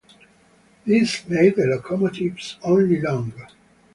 This made the locomotives only long.